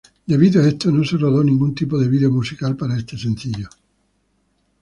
Debido a esto, no se rodó ningún tipo de video musical para este sencillo.